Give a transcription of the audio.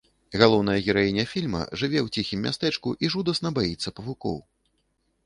Галоўная гераіня фільма жыве ў ціхім мястэчку і жудасна баіцца павукоў.